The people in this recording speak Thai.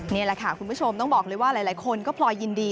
นี่แหละค่ะคุณผู้ชมต้องบอกเลยว่าหลายคนก็พลอยยินดี